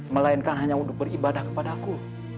melainkan hanya untuk beribadah kepada aku